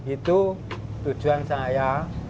itu tujuan saya